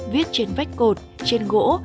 viết trên vách cột trên gỗ